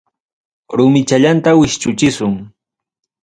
Rumichallanta wischuchisun.